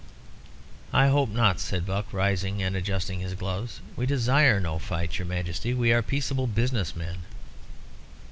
"I hope not," said Buck, rising and adjusting his gloves. "We desire no fight, your Majesty. We are peaceable business men."